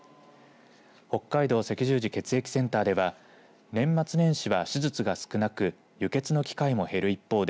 北海道赤十字血液センターでは年末年始は手術が少なく輸血の機会も減る一方で